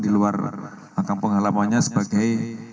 di luar kampung halamannya sebagai